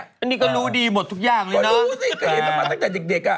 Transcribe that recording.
อันนี้ก็รู้ดีหมดทุกอย่างเลยก็ดูสิก็เห็นมาตั้งแต่เด็กเด็กอ่ะ